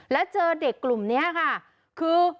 แล้วเจอเด็กกลุ่มนี้ค่ะคือ